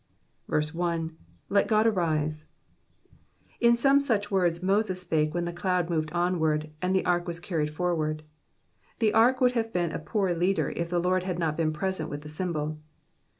1. *^^Let God arise.''"' In some such words Moses spake when the cloud moved onward, and the ark was carried forward. The ark would have been a poor leader if the Lord had not been present with the symbol.